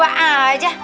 bukan gue aja